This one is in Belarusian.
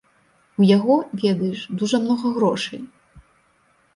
У яго, ведаеш, дужа многа грошай.